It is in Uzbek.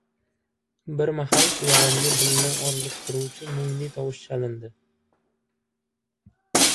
Bir mahal qulog‘imga dilni orziqtiruvchi mungli tovush chalindi: